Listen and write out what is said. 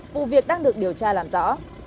vụ việc đang được điều tra làm rõ